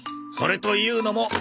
それというのも。